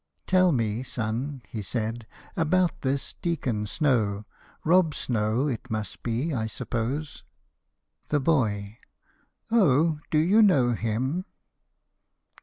"Tell me, son," He said, "about this Deacon Snow Rob Snow It must be, I suppose." THE BOY. Oh, do you know him?